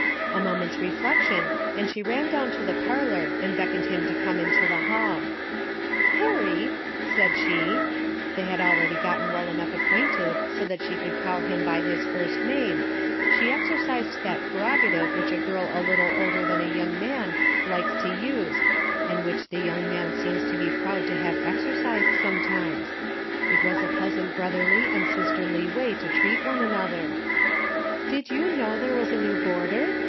A moment's reflection, and she ran down to the parlor and beckoned him to come into the hall. 162 A DAILY RATE.''' " Harry,' said she, (they had already gotten Avell enough acquainted so that she could call him by his first name ; she exercised that pre rogative which a girl a little older than a young man likes to use and which the young man seems to be proud to have exercised some times. It was a pleasant brotherly and sisterly way to treat one another), " did you know there was a new boarder